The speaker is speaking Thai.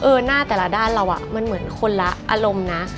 หน้าแต่ละด้านเรามันเหมือนคนละอารมณ์นะ